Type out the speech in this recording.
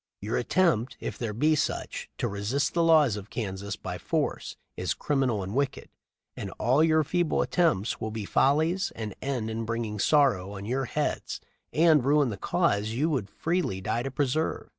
Your attempt, if there be such, to resist the laws of Kansas by force is criminal and wicked ; and all your feeble attempts will be follies and end in bringing sorrow on your heads and ruin the cause you would freely die to preserve!"